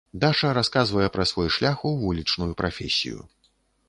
Даша расказвае пра свой шлях у вулічную прафесію.